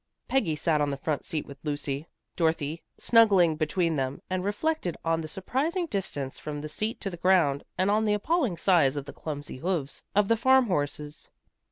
Peggy sat on the front seat with Lucy, Dorothy snuggling between them, and reflected on the surprising distance from the seat to the ground, and on the appalling size of the clumsy hoofs of the farmhorses.